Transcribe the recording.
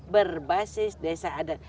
berbasis desa adat